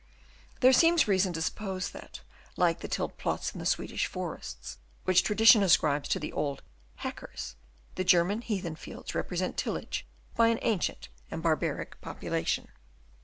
There seems reason to suppose that, like the tilled plots in the Swedish forests which tradition ascribes to the old ' hackers,' the German heathen fields represent tillage by an ancient and barbaric population."